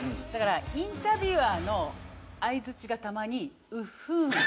だからインタビュアーの相づちがたまに「うっふん」。